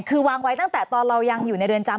คือวางไว้ตั้งแต่ตอนเรายังอยู่ในเรือนจำ